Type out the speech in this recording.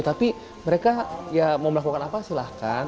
tapi mereka ya mau melakukan apa silahkan